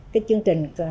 cái chương trình